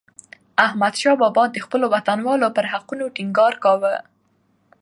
احمدشاه بابا د خپلو وطنوالو پر حقونو ټينګار کاوه.